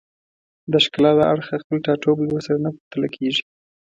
د ښکلا له اړخه خپل ټاټوبی ورسره نه پرتله کېږي